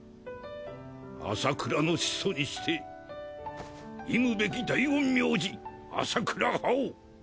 麻倉の始祖にして忌むべき大陰陽師麻倉葉王。